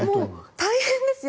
大変ですよ。